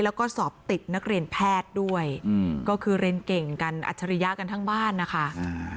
แล้วก็สอบติดนักเรียนแพทย์ด้วยอืมก็คือเรียนเก่งกันอัจฉริยะกันทั้งบ้านนะคะ